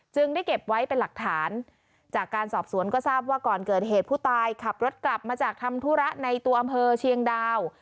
ได้เก็บไว้เป็นหลักฐานจากการสอบสวนก็ทราบว่าก่อนเกิดเหตุผู้ตายขับรถกลับมาจากทำธุระในตัวอำเภอเชียงดาว